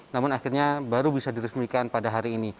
namun akhirnya baru bisa diresmikan pada hari ini